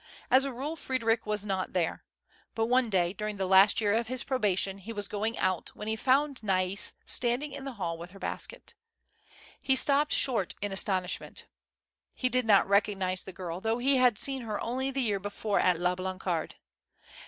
As a rule, Frederic Avas not there : but one day, during the last yenr of his probation, he Avas going out, Avhen he found Nais standing in the hall Avith her basket. lie stopped short in astonishment. lie did not recognize the girl, though he had seen her only the year before at La Blancarde.